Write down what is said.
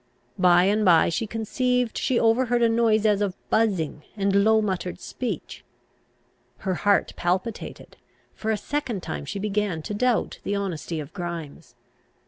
By and by she conceived she overheard a noise as of buzzing and low muttered speech. Her heart palpitated; for a second time she began to doubt the honesty of Grimes.